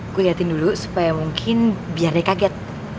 gue liatin dulu supaya mungkin biar dia kaget